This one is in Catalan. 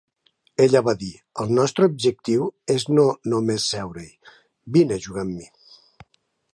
Ella va dir: "El nostre objectiu és no només seure-hi; vine a jugar amb mi".